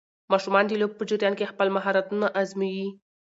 ماشومان د لوبو په جریان کې خپل مهارتونه ازمويي.